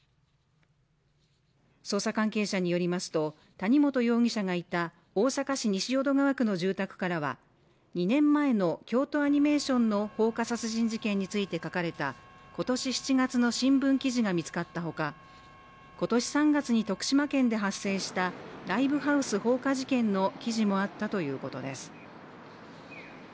捜査関係者によりますと、谷本容疑者がいた大阪市西淀川区の住宅からは２年前の京都アニメーションの放火殺人事件について書かれた今年７月の新聞記事が見つかったほか、今年３月に徳島県で発生したライブハウス放火事件の記事もあったということです。